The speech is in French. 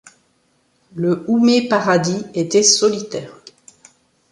Le Houmet-Paradis était solitaire.